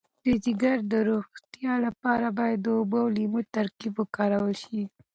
د ځیګر د روغتیا لپاره باید د اوبو او لیمو ترکیب وکارول شي.